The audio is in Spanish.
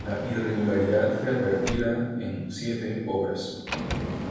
La irregularidad fue advertida en siete obras.